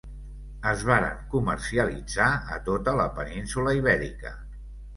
Es varen comercialitzar a tota la península Ibèrica.